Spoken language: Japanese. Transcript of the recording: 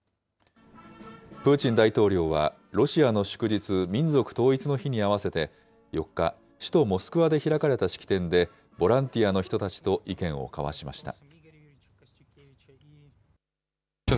プーチン大統領は、ロシアの祝日、民族統一の日に合わせて、４日、首都モスクワで開かれた式典で、ボランティアの人たちと意見を交わしました。